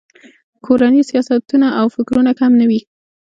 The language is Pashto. کورني سیاستونه او فکرونه کم نه وي.